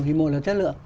thì một là chất lượng